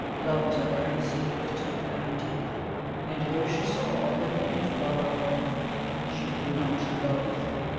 Love is a barren sea, bitter and deep; And though she saw all heaven in flower above, She would not love!"